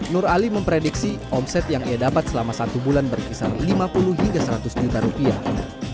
nur ali memprediksi omset yang ia dapat selama satu bulan berkisar lima puluh hingga seratus juta rupiah